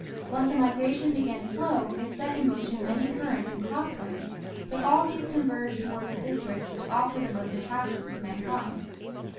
Once a migration began to flow, it set in motion many currents and cross currents, but all these converged towards the districts which offered the most attractions to mankind.